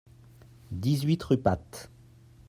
dix-huit rue Path